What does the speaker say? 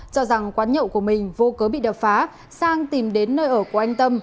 cho rằng quán nhậu của mình vô cớ bị đập phá sang tìm đến nơi ở của anh tâm